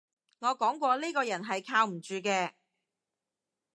我講過呢個人係靠唔住嘅